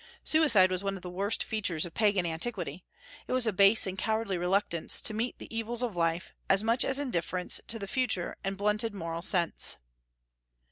Suicide was one of the worst features of Pagan antiquity. It was a base and cowardly reluctance to meet the evils of life, as much as indifference to the future and a blunted moral sense.